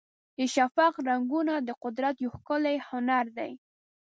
د شفق رنګونه د قدرت یو ښکلی هنر دی.